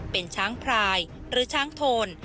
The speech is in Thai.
เป็นช้างพรายหรือช้างโทน